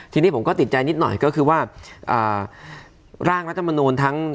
ทีนี้ผมก็ติดใจนิดหน่อยก็คือว่าร่างรัฐมนูลทั้ง